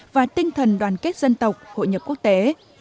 và tinh thần đoàn kết dân tộc hội nhập quốc tế